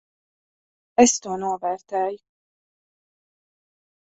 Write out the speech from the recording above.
Es to novērtēju.